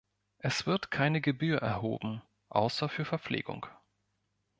Es wird keine Gebühr erhoben, außer für Verpflegung.